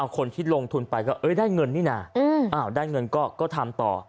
คนที่ลงทุนไปก็ได้เงินนี่นะได้เงินก็ทำต่อ